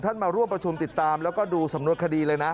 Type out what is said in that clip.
มาร่วมประชุมติดตามแล้วก็ดูสำนวนคดีเลยนะ